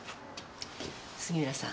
杉浦さん。